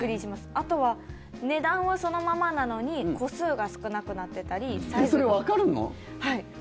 あとは、値段はそのままなのに個数が少なくなってたり。